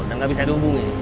dan gak bisa dihubungin